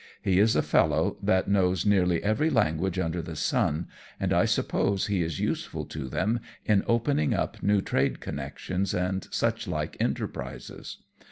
He is a fellow that knows nearly every language under the sun, and I suppose he is useful to them in opening up new trade connections and such like enterprises."